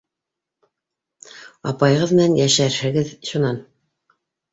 Апайығыҙ менән йәшәрһегеҙ шунан.